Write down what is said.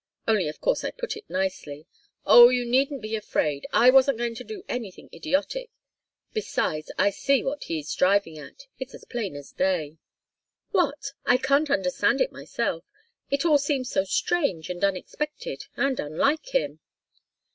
Only of course I put it nicely. Oh you needn't be afraid! I wasn't going to do anything idiotic. Besides, I see what he's driving at. It's as plain as day." "What? I can't understand it, myself it all seems so strange and unexpected, and unlike him."